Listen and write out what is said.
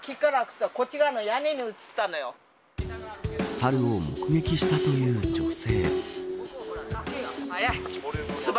猿を目撃したという女性。